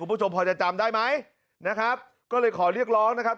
คุณผู้ชมพอจะจำได้ไหมนะครับก็เลยขอเรียกร้องนะครับ